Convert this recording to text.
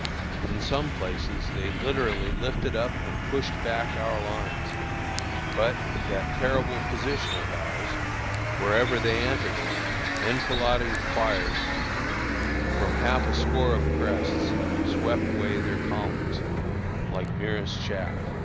In some places they literally lifted up and pushed back our lines; but, that terrible position of ours! wherever they entered it, enfilading fires from half a score of crests swept away their columns like merest chaff.